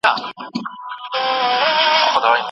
ليکوالان د ټولنې سترګې دي.